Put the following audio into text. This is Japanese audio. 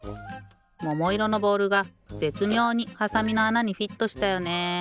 ももいろのボールがぜつみょうにはさみのあなにフィットしたよね。